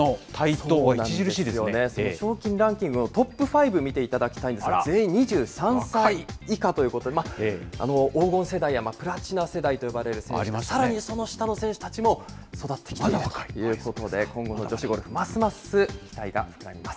そうなんですよね、賞金女王のトップ５見ていただきたいんですが、全員２３歳以下ということで、黄金世代や、プラチナ世代と呼ばれる世代、さらにその下の選手たちも育ってきているということで、今後の女子ゴルフ、ますます期待が高まります。